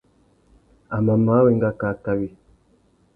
A mà māh wenga kā kawi.